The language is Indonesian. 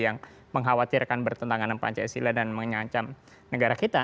yang mengkhawatirkan bertentangan dengan pancasila dan mengancam negara kita